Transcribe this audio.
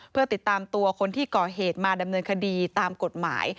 เพื่อติดตามตัวคนที่ก่อเหตุมาดำเนินคดีตามกฎหมาย